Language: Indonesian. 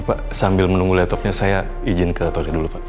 pak sambil menunggu laptopnya saya izin ke tori dulu pak